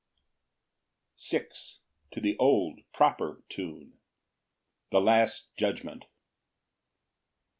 Psalm 50:6. To the old proper Tune. The last judgment.